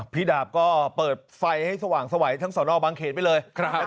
ดาบก็เปิดไฟให้สว่างสวัยทั้งสอนอบางเขตไปเลย